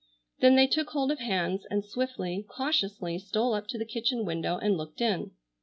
Then they took hold of hands and swiftly, cautiously, stole up to the kitchen window and looked in.